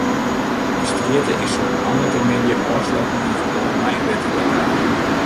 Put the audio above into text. De strjitte is sûnt moandeitemiddei ôfsletten yn ferbân mei in wetterlekkaazje.